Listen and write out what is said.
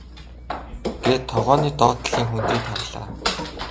гээд тогооны доод талын хөндийд харлаа.